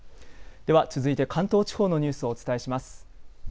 では続いて関東地方のニュースをお伝えします。